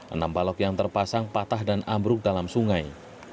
enam balok yang terpasang patah dan ambruk dalam sungai